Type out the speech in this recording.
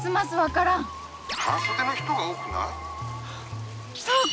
半そでの人が多くない？